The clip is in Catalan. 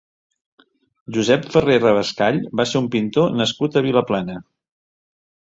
Josep Ferré Revascall va ser un pintor nascut a Vilaplana.